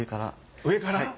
上から？